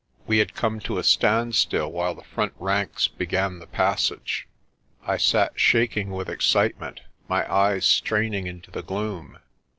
We had come to a standstill while the front ranks began the passage. I sat shaking with excitement, my eyes straining into the gloom.